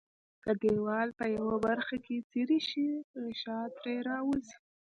که دیوال په یوه برخه کې څیري شي غشا ترې راوځي.